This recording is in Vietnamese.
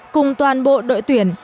cùng toàn bộ đội tuyển